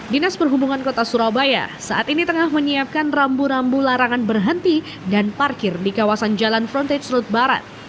dinas perhubungan kota surabaya saat ini tengah menyiapkan rambu rambu larangan berhenti dan parkir di kawasan jalan frontage road barat